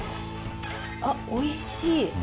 あっ、おいしい。